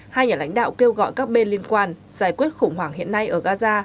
hai nhà lãnh đạo kêu gọi các bên liên quan giải quyết khủng hoảng hiện nay ở gaza